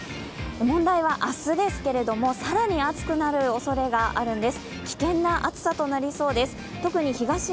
問題は明日ですけれども、更に暑くなるおそれがあるんです。